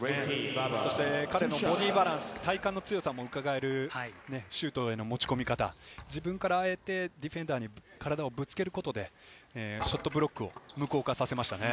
彼のボディーバランス、体幹の強さもうかがえるシュートへの持ち込み方、自分からディフェンダーに体をぶつけることでショットブロックを無効化させました。